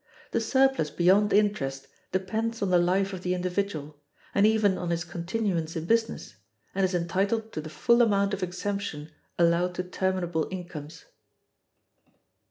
The surplus beyond interest depends on the life of the individual, and even on his continuance in business, and is entitled to the full amount of exemption allowed to terminable incomes.